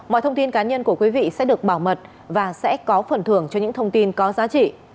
mọi thông tin cá nhân của quý vị sẽ được bảo mật và sẽ có phần thưởng cho những thông tin có giá trị